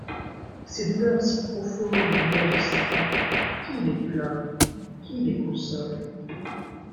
Ces douleurs si profondes du magistrat, qui les plaint ? qui les console ?...